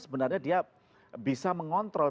sebenarnya dia bisa mengontrol